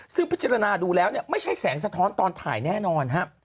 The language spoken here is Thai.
ซึ่งพิจารณาดูแล้วไม่ใช่แสงสะท้อนตอนถ่ายแน่นอน